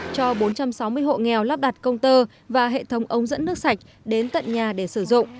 cho bốn trăm sáu mươi hộ nghèo lắp đặt công tơ và hệ thống ống dẫn nước sạch đến tận nhà để sử dụng